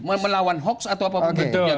melawan hoax atau apa pun